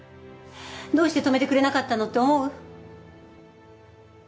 どうして止めてくれなかったのって思う？